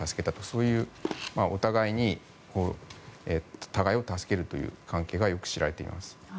そういうお互いに互いを助けるという関係がよく知られています。